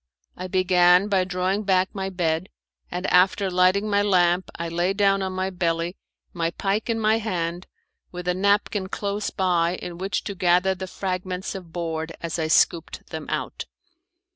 I began by drawing back my bed, and after lighting my lamp I lay down on my belly, my pike in my hand, with a napkin close by in which to gather the fragments of board as I scooped them out.